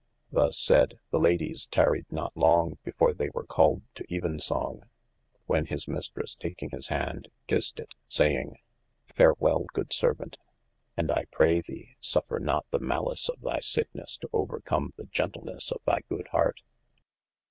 Thus sayd, the Ladies taried not long before they were called to Evensong, when his Mistres taking his hand, kissed it saying : Farewel good servaunt, and I praye thee suffer not the mallice of thy sickenesse to overcome the gentlenesse of thy good hart.